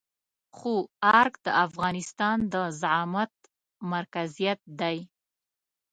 خو ارګ د افغانستان د زعامت مرکزيت دی.